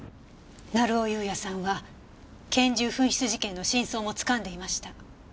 成尾優也さんは拳銃紛失事件の真相も掴んでいました。